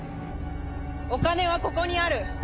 お金はここにある！